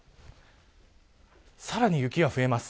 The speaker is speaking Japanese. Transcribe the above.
その後、さらに雪が増えます。